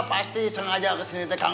pasti sengaja kesini